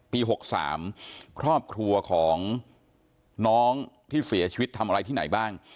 ๖๓ครอบครัวของน้องที่เสียชีวิตทำอะไรที่ไหนบ้าง